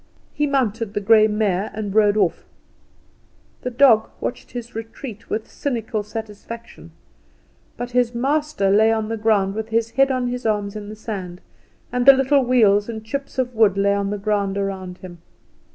He mounted the grey mare and rode off. The dog watched his retreat with cynical satisfaction; but his master lay on the ground with his head on his arms in the sand, and the little wheels and chips of wood lay on the ground around him.